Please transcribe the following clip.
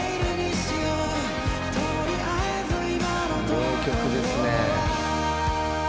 「名曲ですね」